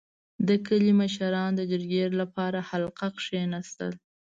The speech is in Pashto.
• د کلي مشران د جرګې لپاره حلقه کښېناستل.